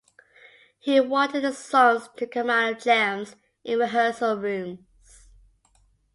He wanted the songs to come out of jams in rehearsal rooms.